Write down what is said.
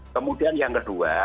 kemudian yang kedua